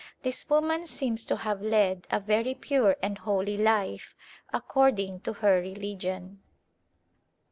This woman seems to have led a very pure and holy life, according to her religion.